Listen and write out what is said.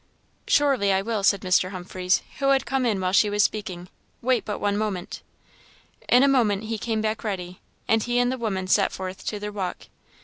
"Surely I will," said Mr. Humphreys, who had come in while she was speaking. "Wait but one moment." In a moment he came back ready, and he and the woman set forth to their walk.